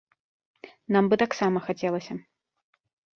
Нам бы таксама хацелася.